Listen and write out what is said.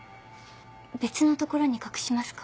別の所に隠しますか？